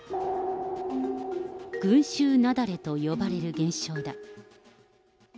群集雪崩と呼ばれる現象だ。